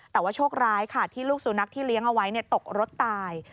แต่ว่าโชคร้ายค่ะที่ลูกสุนัขที่เลี้ยงเอาไว้ตกรถตาย